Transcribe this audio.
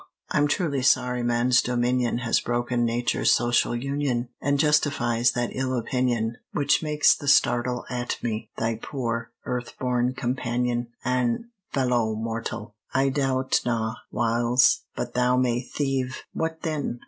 I'm truly sorry man's dominion Has broken Nature's social union, An' justifies that ill opinion, Which makes thee startle At me, thy poor, earth born companion/" An' fellow mortal! I doubt na, whiles, but thou may thieve; What then?